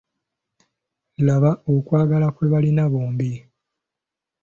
Laba okwagala kwe balina bombi.